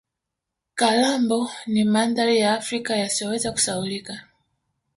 kalambo ni mandhari ya africa yasiyoweza kusahaulika